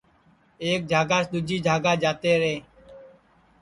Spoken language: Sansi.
ایک جھاگاس دؔوجی جھاگا جاتے رے اور اِن کا گُجران رُگی جھنگاس ہی ہؤتا تیا